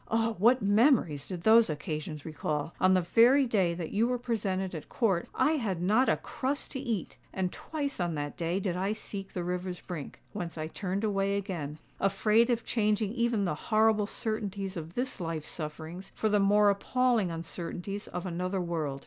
Oh! what memories did those occasions recall! On the very day that you were presented at Court, I had not a crust to eat! And twice on that day did I seek the river's brink, whence I turned away again—afraid of changing even the horrible certainties of this life's sufferings for the more appalling uncertainties of another world."